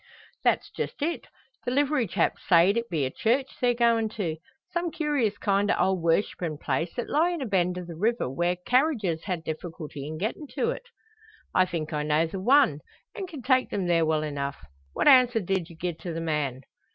"That's just it. The livery chap sayed it be a church they're goin' to; some curious kind o' old worshippin' place, that lie in a bend o' the river, where carriages ha' difficulty in gettin' to it." "I think I know the one, an' can take them there well enough. What answer did you gie to the man?"